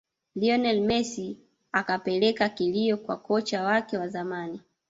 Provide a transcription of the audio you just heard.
lionel messi akapeleka kilio kwa kocha wake wa zamani